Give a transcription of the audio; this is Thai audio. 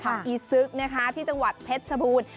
อีซึกนะคะที่จังหวัดเพชรชบูรณ์